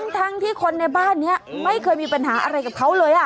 ทั้งที่คนในบ้านนี้ไม่เคยมีปัญหาอะไรกับเขาเลย